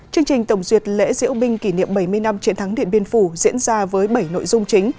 chương trình tổng duyệt lễ diễu binh kỷ niệm bảy mươi năm chiến thắng điện biên phủ diễn ra với bảy nội dung chính